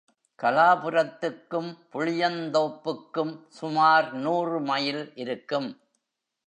கலாபுரத்துக்கும், புளியந்தோப்புக்கும் சுமார் நூறு மைல் இருக்கும்.